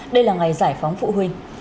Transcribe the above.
đây là ngày giải phóng phụ huynh